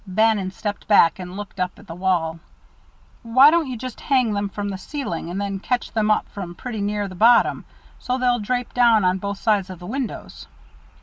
Bannon stepped back and looked up at the wall. "Why don't you just hang them from the ceiling and then catch them up from pretty near the bottom so they'll drape down on both sides of the windows?"